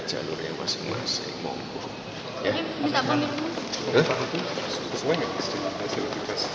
tapi minta pemilu ulang mas relevan gak sih mas